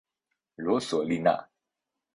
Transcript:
罗索利纳。